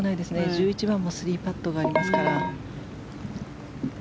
１１番も３パットがありますから。